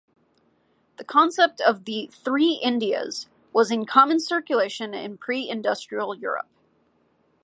The concept of the "Three Indias" was in common circulation in pre-industrial Europe.